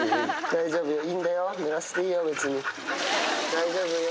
大丈夫よ。